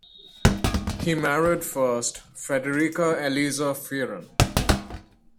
He married first Frederica Eliza Fearon.